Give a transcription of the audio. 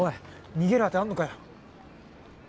逃げる当てあんのかよ。